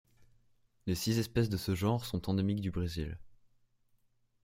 Les six espèces de ce genre sont endémiques du Brésil.